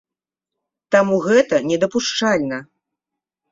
Таму гэта не дапушчальна.